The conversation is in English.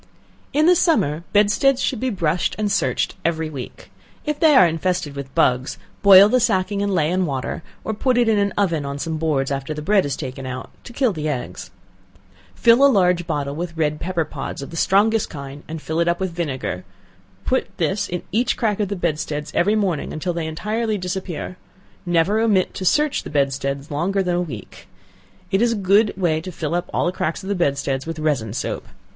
In the summer, bedsteads should be brushed and searched every week; if they are infested with bugs, boil the sacking in ley and water, or put it in an oven, on some boards, after the bread is taken out, to kill the eggs; fill a large bottle with red pepper pods of the strongest kind, and fill it up with vinegar; put this in each crack of the bedsteads every morning, until they entirely disappear; never omit to search the bedsteads longer than a week. It is a good way to fill up all the cracks of the bedsteads with resin soap.